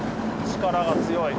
力が強い。